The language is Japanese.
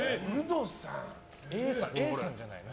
Ａさんじゃないの？